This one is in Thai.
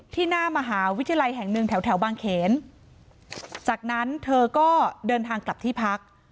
หน้ามหาวิทยาลัยแห่งหนึ่งแถวแถวบางเขนจากนั้นเธอก็เดินทางกลับที่พัก